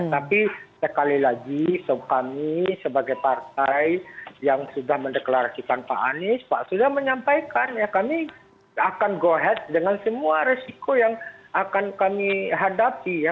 tapi sekali lagi kami sebagai partai yang sudah mendeklarasikan pak anies pak surya menyampaikan ya kami akan go ahead dengan semua resiko yang akan kami hadapi ya